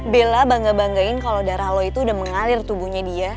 bella bangga banggain kalau darah lo itu udah mengalir tubuhnya dia